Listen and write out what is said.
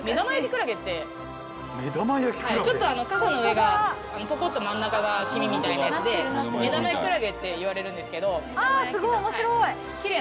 ちょっとカサの上がポコッと真ん中が黄身みたいなやつで目玉焼きクラゲって言われるんですけど。